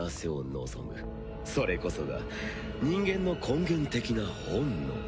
それこそが人間の根源的な本能。